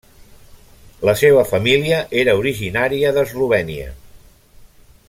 La seva família era originària d'Eslovènia.